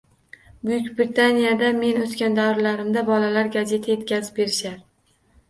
Buyuk Britaniyada men oʻsgan davrlarimda bolalar gazeta yetkazib berishar